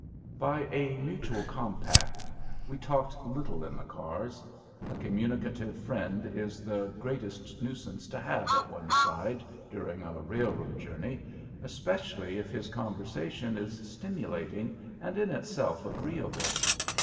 By a mutual compact, we talked little in the cars. A communicative friend is the greatest nuisance to have at one's side during a railroad journey, especially if his conversation is stimulating and in itself agreeable.